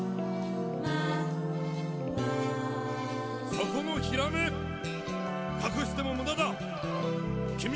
「そこのヒラメーかくしてもむだだー